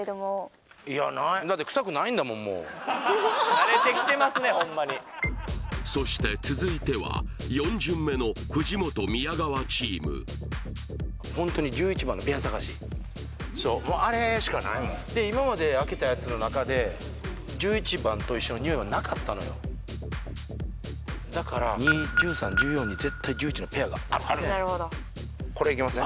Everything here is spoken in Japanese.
今ではまでにいやそして続いては４巡目の藤本・宮川チームホントに１１番のペア探しそうもうあれしかないもんで今まで開けたやつの中で１１番と一緒のニオイはなかったのよだから２１３１４に絶対１１のペアがあるこれいきません？